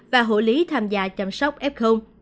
và hộ lý tham gia chăm sóc f